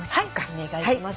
お願いします。